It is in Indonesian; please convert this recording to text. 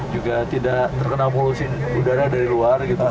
juga tidak terkena polusi udara dari luar gitu